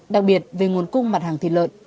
đặc biệt về nguồn cung mặt hàng thịt lợn